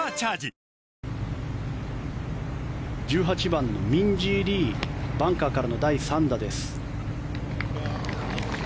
１８番のミンジー・リーバンカーからの第３打です。